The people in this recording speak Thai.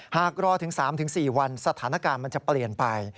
หากรอถึง๓๔วันสถานการณ์มันจะเปลี่ยนไป